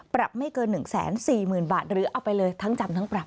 ปรับไม่เกิน๑๔๐๐๐บาทหรือเอาไปเลยทั้งจำทั้งปรับ